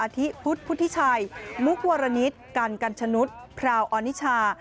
ที่พุทธพุทธิชัยมุกวรณิตกันกัญชนุษย์พราวออนิชา